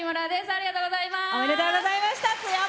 ありがとうございます。